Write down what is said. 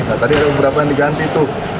nah tadi ada beberapa yang diganti tuh